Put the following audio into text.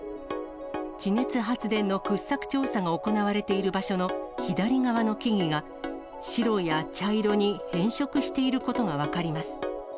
地熱発電の掘削調査が行われている場所の左側の木々が、白や茶色に変色していることが分かります。